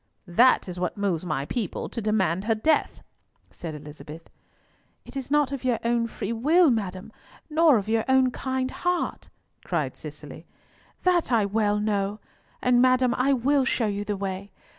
"That is what moves my people to demand her death," said Elizabeth. "It is not of your own free will, madam, nor of your own kind heart," cried Cicely. "That I well know! And, madam, I will show you the way.